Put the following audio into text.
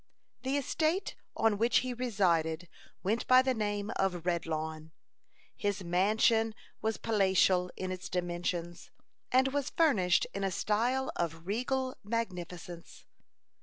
The estate on which he resided went by the name of Redlawn. His mansion was palatial in its dimensions, and was furnished in a style of regal magnificence.